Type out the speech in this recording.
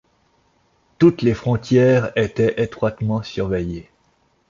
Toutes les frontières étaient étroitement surveillées.